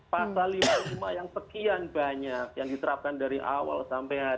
pasal lima puluh lima yang sekian banyak yang diterapkan dari awal sampai hari ini